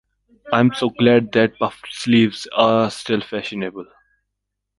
I’m so glad that puffed sleeves are still fashionable.